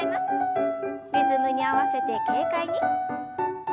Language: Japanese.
リズムに合わせて軽快に。